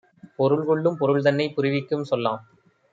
பொருள்கொள்ளும் பொருள்தன்னைப் புரிவிக்கும் சொல்லாம்.